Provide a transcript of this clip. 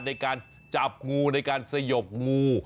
ในการจับงูในการสยบงู